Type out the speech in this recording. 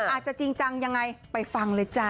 อาจจะจริงจังยังไงไปฟังเลยจ้า